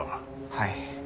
はい。